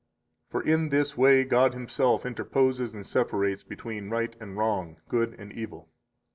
For in this way God Himself interposes and separates between right and wrong, good and evil.